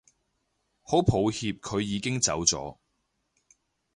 好抱歉佢已經走咗